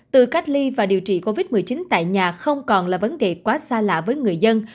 từ cách ly và điều trị covid một mươi chín tại nhà không còn là vấn đề quá xa lạ với người dân